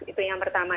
itu yang pertama